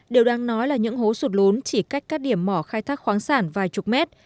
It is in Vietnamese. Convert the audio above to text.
điều đang nói là những hố sụt lún chỉ cách các điểm mỏ khai thác khoáng sản vài chục mét